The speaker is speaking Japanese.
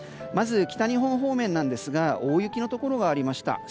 まず北日本方面ですが大雪のところがありました。